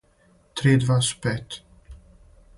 три и два су пет